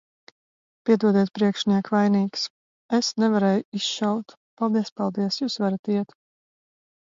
-Piedodiet, priekšniek, vainīgs. Es nevarēju izšaut. -Paldies, paldies. Jūs varat iet.